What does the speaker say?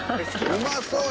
うまそう！